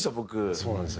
そうなんですよ。